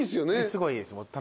すごいいいです。